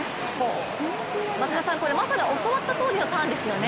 松田さん、まさに教わったとおりのターンですよね。